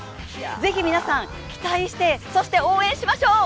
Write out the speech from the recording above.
是非皆さん、期待して、そして応援しましょう。